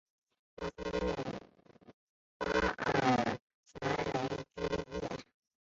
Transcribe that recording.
巴尔莱雷居利耶。